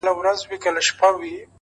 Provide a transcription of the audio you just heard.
علم د انسان د فکر رڼا ده.!